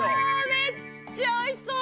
めっちゃ美味しそう！